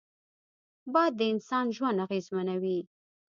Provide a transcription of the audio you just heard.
باد د انسان ژوند اغېزمنوي